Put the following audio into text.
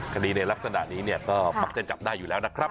คดีในลักษณะนี้เนี่ยก็มักจะจับได้อยู่แล้วนะครับ